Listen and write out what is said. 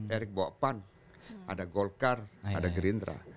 erick bawa pan ada golkar ada gerindra